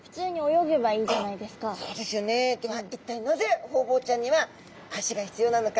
では一体なぜホウボウちゃんには足が必要なのか。